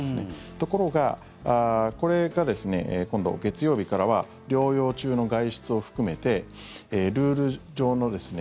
ところが、これがですね今度、月曜日からは療養中の外出を含めてルール上のですね